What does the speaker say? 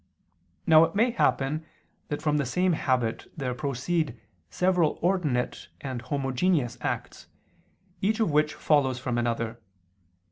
Now it may happen that from the same habit there proceed several ordinate and homogeneous acts, each of which follows from another.